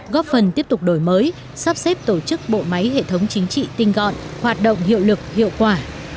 góp phần tiếp tục đổi mới sắp xếp tổ chức bộ máy hệ thống chính trị tinh gọn hoạt động hiệu lực hiệu quả